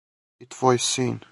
И твој син.